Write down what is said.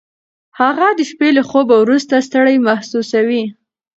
هغه د شپې له خوبه وروسته ستړی محسوسوي.